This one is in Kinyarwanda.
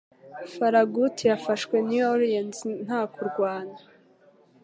Farragut yafashe New Orleans nta kurwana